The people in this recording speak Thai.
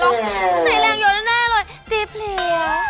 ใช้แรงเยอะแน่เลยตีเพลี้ย